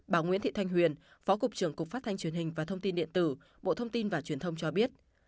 bà nguyễn thị thanh huyền phó cục trưởng cục phát thanh truyền hình và thông tin điện tử bộ thông tin và truyền thông cho biết